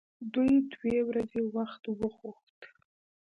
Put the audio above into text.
دوی دوې ورځې وخت وغوښت.